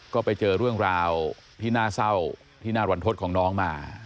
ก็ไปเจอเรื่องราวที่น่าเศร้าที่น่ารันทศของน้องมา